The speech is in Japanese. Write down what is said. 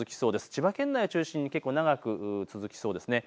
千葉県内を中心に結構長く続きそうですね。